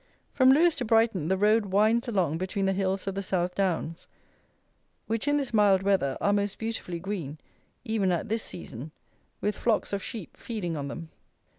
From Lewes to Brighton the road winds along between the hills of the South Downs, which, in this mild weather, are mostly beautifully green even at this season, with flocks of sheep feeding on them.